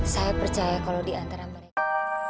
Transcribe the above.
saya percaya kalau di antara mereka